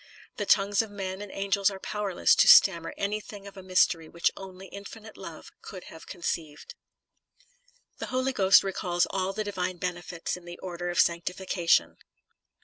The tongues of men and angels are powerless to stammer any thing of a mystery which only infinite love could have conceived. The Holy Ghost recalls all the divine bene fits in the order of sanctification.